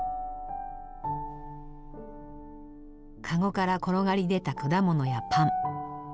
かごから転がり出た果物やパン。